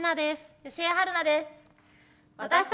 吉江晴菜です。